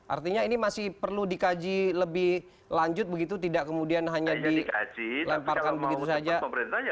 artinya ini masih perlu dikaji lebih lanjut begitu tidak kemudian hanya dilemparkan begitu saja